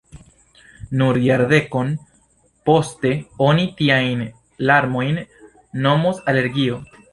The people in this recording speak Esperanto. Nur jardekon poste oni tiajn larmojn nomos alergio.